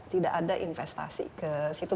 tidak ada investasi ke situ